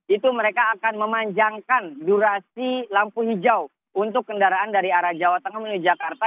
itu mereka akan memanjangkan durasi lampu hijau untuk kendaraan dari arah jawa tengah menuju jakarta